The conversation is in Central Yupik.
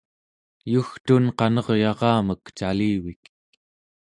yugtun qaneryaramek calivik